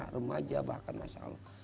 remaja bahkan masya allah